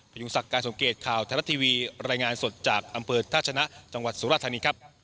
ยุงศักดิ์การสมเกตข่าวไทยรัฐทีวีรายงานสดจากอำเภอท่าชนะจังหวัดสุราธานีครับ